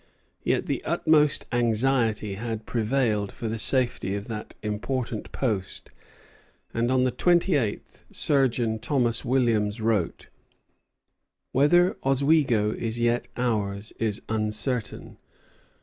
Yet the utmost anxiety had prevailed for the safety of that important post, and on the twenty eighth Surgeon Thomas Williams wrote: "Whether Oswego is yet ours is uncertain.